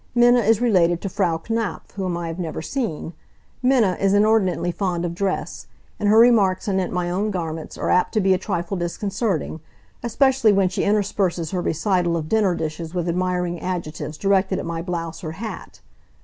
Minna is related to Frau Knapf, whom I have never seen. Minna is inordinately fond of dress, and her remarks anent my own garments are apt to be a trifle disconcerting, especially when she intersperses her recital of dinner dishes with admiring adjectives directed at my blouse or hat.